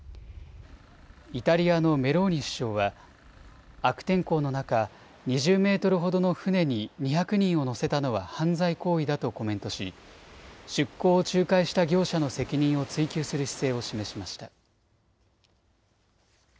イタリアのメローニ首相は悪天候の中、２０メートルほどの船に２００人を乗せたのは犯罪行為だとコメントし出航を仲介した業者の責任を追及する姿勢を示しました。